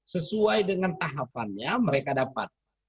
sesuai dengan tahapannya mereka dapat